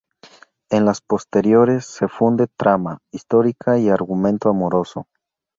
En las posteriores se funde trama histórica y argumento amoroso.